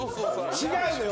違うのよ。